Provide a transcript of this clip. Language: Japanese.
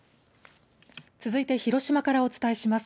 続いて広島からお伝えします。